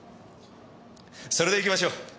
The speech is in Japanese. それでいきましょう。